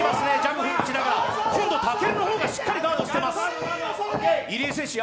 武尊の方がしっかりガードしています。